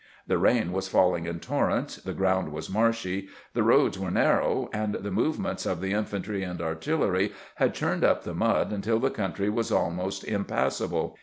The rain was falling in torrents, the ground was marshy, the roads were narrow, and the movements of the in fantry and artillery had churned up the mud until the country was almost impassable.